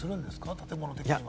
建物的には。